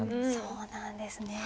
そうなんですね。